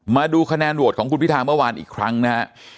มาดูคะแนนโหวตของคุณพิธาเมื่อวานอีกครั้งนะฮะ